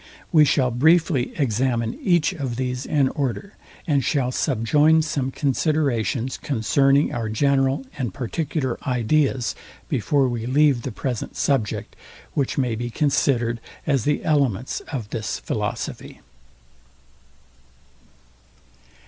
We shall briefly examine each of these in order, and shall subjoin some considerations concerning our general and particular ideas, before we leave the present subject, which may be considered as the elements of this philosophy.